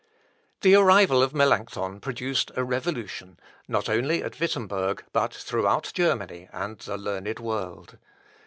The arrival of Melancthon produced a revolution, not only at Wittemberg, but throughout Germany and the learned world.